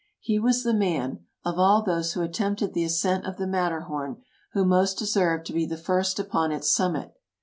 He was the man, of all those who attempted the ascent of the Matterhorn, who most deserved to be the first upon its summit.